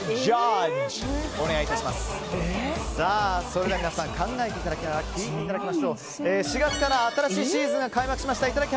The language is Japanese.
それでは皆さん考えていただきながら４月から新しいシーズンが開幕した、いただき！